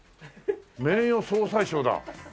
名誉総裁賞だ。